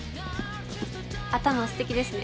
頭すてきですね。